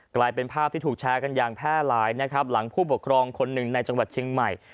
กลายเป็นภาพที่ถูกแชร์กันอย่างแพร่หลายนะครับหลังผู้ปกครองคนหนึ่งในจังหวัดเชียงใหม่